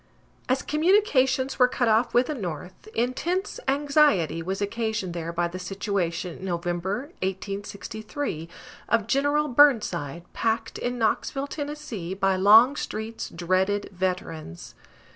As communications were cut off with the North, intense anxiety was occasioned there by the situation in November, 1863, of General Burnside, packed in Knoxville, Tennessee, by Longstreet's dreaded veterans.